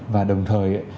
và đồng thời